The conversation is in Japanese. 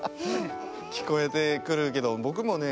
きこえてくるけどぼくもね